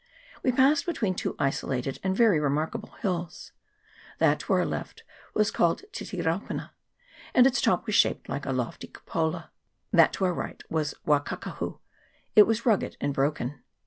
We passed between two isolated and very remarkable hills : that to our left was called Titiraupena, and its top was shaped like a lofty cupola : that to our right was Waka kahu ; it was rugged and broken.